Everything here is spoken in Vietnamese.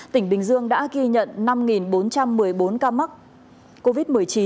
tỉnh bình dương đã ghi nhận năm bốn trăm một mươi bốn ca mắc covid một mươi chín